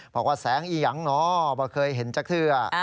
บอกว่าแสงอียังเนาะว่าเคยเห็นจากเทือ